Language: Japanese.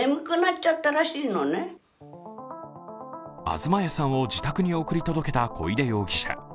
東谷さんを自宅に送り届けた小出容疑者。